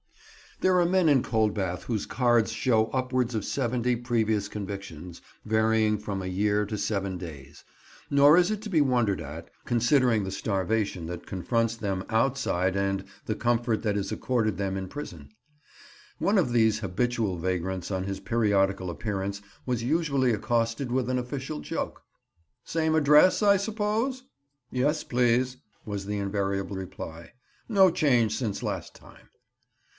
There are men in Coldbath whose cards show upwards of seventy previous convictions, varying from a year to seven days; nor is it to be wondered at, considering the starvation that confronts them outside and the comfort that is accorded them in prison. One of these habitual vagrants on his periodical appearance was usually accosted with an official joke, "Same address, I suppose?" "Yes, please," was the invariable reply; "no change since last time."